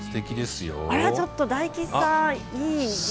あら、ちょっと大吉さん、いい！